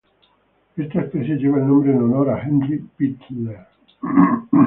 Esta especie lleva el nombre en honor a Henri Pittier.